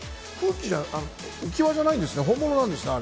浮き輪じゃないんですね、本物なんですね。